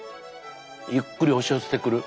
ゆっくり押し寄せてくる。